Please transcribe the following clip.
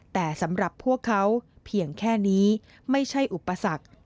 แต่สำหรับพวกเขาเพียงแค่นี้ไม่ใช่อุปสรรค